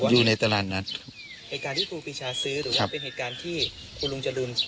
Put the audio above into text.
อยู่ในตลาดนั้น